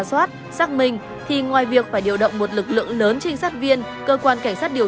soát xác minh thì ngoài việc phải điều động một lực lượng lớn trinh sát viên cơ quan cảnh sát điều